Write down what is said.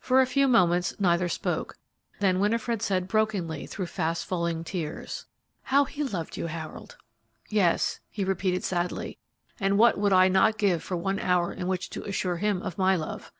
For a few moments neither spoke, then Winifred said brokenly, through fast falling tears, "How he loved you, Harold!" "Yes," he replied, sadly; "and what would I not give for one hour in which to assure him of my love!